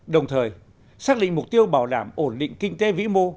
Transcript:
đồng thời xác định mục tiêu bảo đảm ổn định kinh tế vĩ mô